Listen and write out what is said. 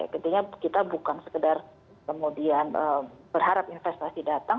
ketika kita bukan sekedar kemudian berharap investasi datang